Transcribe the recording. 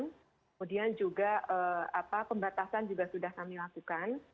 kemudian juga pembatasan juga sudah kami lakukan